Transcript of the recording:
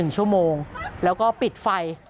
๑ชั่วโมงแล้วก็ปิดไฟ